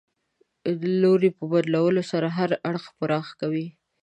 د لوري په بدلولو سره هر څه پراخ کوي.